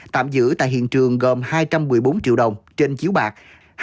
tạm giữ tại hiện trường gồm hai trăm một mươi bốn triệu đồng trên chiếu bạc